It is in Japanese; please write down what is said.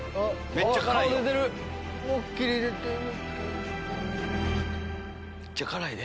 めっちゃ辛いで。